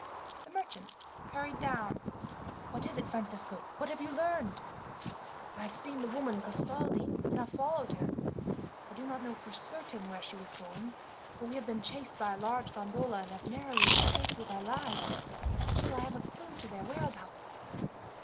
The merchant hurried down. "What is it, Francisco? What have you learned?" "I have seen the woman Castaldi, and have followed her. I do not know for certain where she was going, for we have been chased by a large gondola, and have narrowly escaped with our lives. Still, I have a clue to their whereabouts."